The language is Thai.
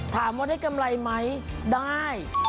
ถามว่าได้กำไรไหมได้